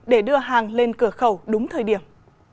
để đưa hàng lên cửa khẩu đúng thời điểm